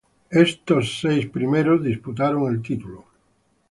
Estos seis primeros disputaron el título.